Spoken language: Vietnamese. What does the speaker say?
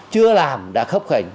chưa làm đã khấp khạch